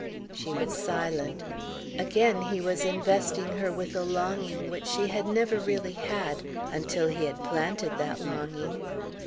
She was silent. Again he was investing her with a longing which she had never really had, until he had planted that longing.